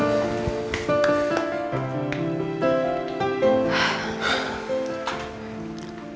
sampai jumpa lagi